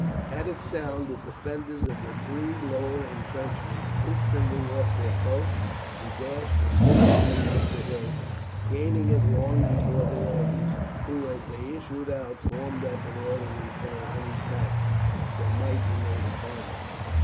At its sound the defenders of the three lower intrenchments instantly left their posts and dashed at full speed up the hill, gaining it long before the Romans, who, as they issued out, formed up in order to repel any attack that might be made upon them.